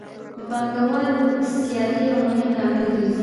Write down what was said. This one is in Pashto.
د پانګوالو سیالي یو مهم لامل ګرځي